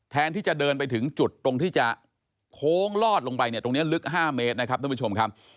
แทนที่จะเดินไปถึงจุดตรงที่จะโค้งลอดลงไปเนี่ยตรงนี้ลึก๕เมตรนะครับท่านผู้ชมครับ